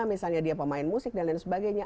misalnya dia pemain musik dan lain sebagainya